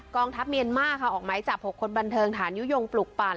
องทัพเมียนมาร์ค่ะออกไม้จับ๖คนบันเทิงฐานยุโยงปลุกปั่น